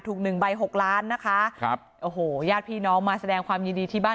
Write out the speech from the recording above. หนึ่งใบหกล้านนะคะครับโอ้โหญาติพี่น้องมาแสดงความยินดีที่บ้าน